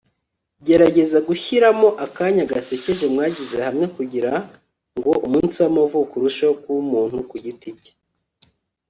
gerageza gushyiramo akanya gasekeje mwagize hamwe kugirango umunsi w'amavuko urusheho kuba umuntu ku giti cye